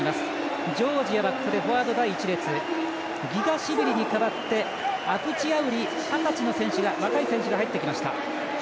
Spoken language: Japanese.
ジョージアはフォワード第１列ギガシビリに代わって、アプチアウリ二十歳の選手、若い選手が入ってきました。